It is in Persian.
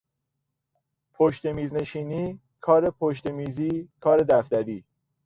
پشت میز نشینی، کار پشت میزی، کار دفتری